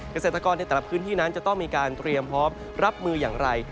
เกษตรกรในแต่ละพื้นที่นั้นจะต้องมีการเตรียมพร้อมรับมืออย่างไร